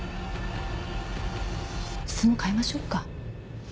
質問変えましょうか。